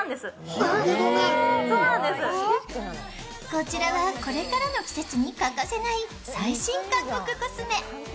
こちらは、これからの季節に欠かせない最新韓国コスメ。